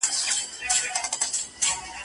چي د کوډګر په خوله کي جوړ منتر په کاڼو ولي.